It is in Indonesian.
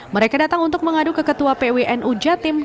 mereka datang untuk mengadu ke ketua pwnu jawa timur